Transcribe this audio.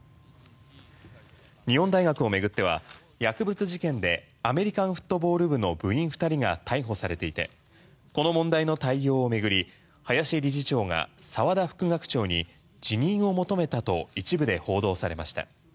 日本大学を巡っては薬物事件でアメリカンフットボール部の部員２人が逮捕されていてこの問題の対応を巡り林理事長が澤田副学長に辞任を求めたと一部で報道されました。